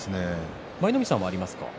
舞の海さんはどうですか？